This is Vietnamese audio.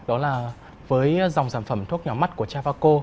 đó là với dòng sản phẩm thuốc nhỏ mắt của chavaco